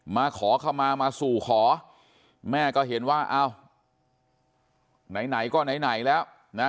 มาขอเข้ามามาสู่ขอแม่ก็เห็นว่าอ้าวไหนก็ไหนแล้วนะ